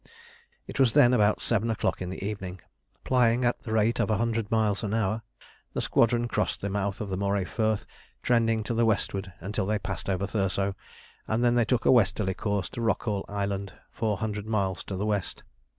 It was then about seven o'clock in the evening. Flying at the rate of a hundred miles an hour, the squadron crossed the mouth of the Moray Firth trending to the westward until they passed over Thurso, and then took a westerly course to Rockall Island, four hundred miles to the west.